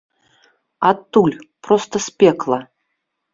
Адтуль, проста з пекла.